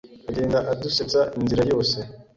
Agenda adusetsa inzira yose